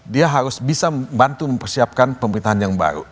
dia harus bisa membantu mempersiapkan pemerintahan yang baru